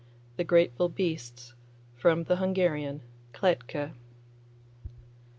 THE GRATEFUL BEASTS(11) (11) From the Hungarian. Kletke.